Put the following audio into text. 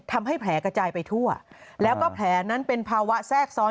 ทำให้แผลกระจายไปทั่วแล้วก็แผลนั้นเป็นภาวะแทรกซ้อน